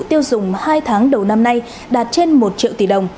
tiêu dùng hai tháng đầu năm nay đạt trên một triệu tỷ đồng